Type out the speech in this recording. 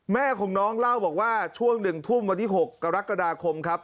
แม่ของน้องเล่าบอกว่าช่วง๑ทุ่มวันที่๖กรกฎาคมครับ